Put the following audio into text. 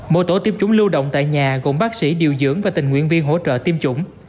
mỗi tổ tiêm chúng lưu động tại nhà gồm bác sĩ điều dưỡng và tình nguyện viên hỗ trợ tiêm chủng